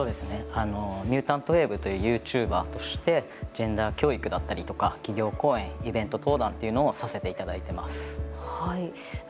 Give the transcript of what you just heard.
ミュータントウェーブというユーチューバーとしてジェンダー教育だったりとか企業講演、イベント登壇というのをさせていただいています。